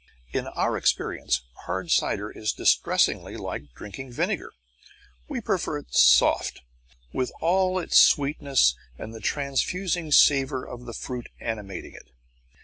In our experience hard cider is distressingly like drinking vinegar. We prefer it soft, with all its sweetness and the transfusing savour of the fruit animating it.